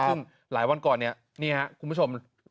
ซึ่งหลายวันก่อนเนี่ยนี่ครับคุณผู้ชม